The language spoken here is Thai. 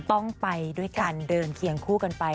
ต้องไปด้วยกันเดินเคียงคู่กันไป